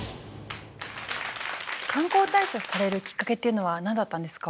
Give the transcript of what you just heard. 観光大使をされるきっかけっていうのは何だったんですか？